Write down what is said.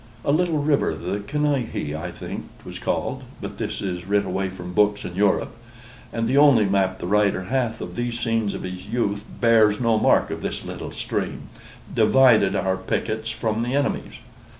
A little river, the Canihe I think 'twas called, (but this is writ away from books and Europe; and the only map the writer hath of these scenes of his youth, bears no mark of this little stream,) divided our pickets from the enemy's.